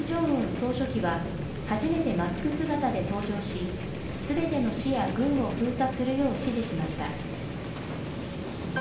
総書記は、初めてマスク姿で登場し、すべての市や郡を封鎖するよう指示しました。